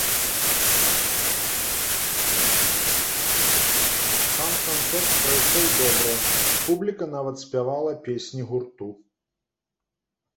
Сам канцэрт прайшоў добра, публіка нават спявала песні гурту.